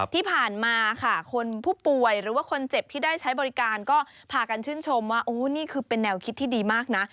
ที่ผ่านมาค่ะคนผู้ป่วยหรือว่าคนเจ็บที่ได้ใช้บริการก็พากันชื่นชมว่านี่คือเป็นแนวคิดที่ดีมากนะ